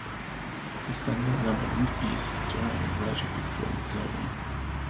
The standard numbering is drawn largely from Casaubon.